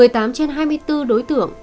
một mươi tám trên hai mươi bốn đối tượng